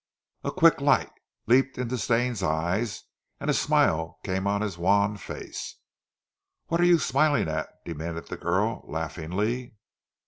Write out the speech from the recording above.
A quick light leaped in Stane's eyes and a smile came on his wan face. "What are you smiling at?" demanded the girl laughingly.